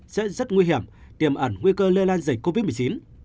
sẽ rất nguy hiểm tiềm ẩn nguy cơ lây lan dịch covid một mươi chín